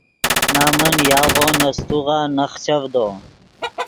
نمن یاغو نے سیتوغا نخچڤدو